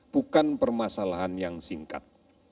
bukan permasalahan yang singkat